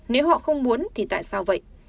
nếu họ không muốn thì tại sao vậy